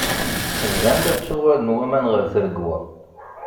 Bdan la ttuɣalen waman ɣer tregwa.